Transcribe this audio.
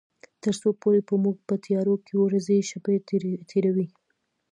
تر څو پورې به موږ په تيارو کې ورځې شپې تيروي.